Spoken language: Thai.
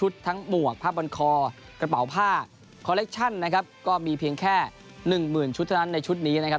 ชุดทั้งหมวกผ้าบันคอกระเป๋าผ้าคอเล็กชั่นนะครับก็มีเพียงแค่หนึ่งหมื่นชุดเท่านั้นในชุดนี้นะครับ